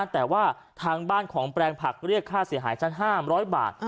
แต่ว่าทางบ้านของแปลงผักเรียกค่าเสียหายชั้น๕๐๐บาท